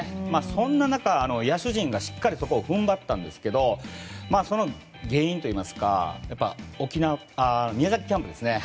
そんな中、野手陣がしっかりそこで踏ん張ったんですけどその原因といいますか宮崎キャンプですね。